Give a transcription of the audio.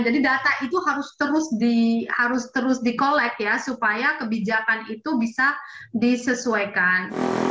jadi data itu harus terus dikolek supaya kebijakan itu bisa disesuaikan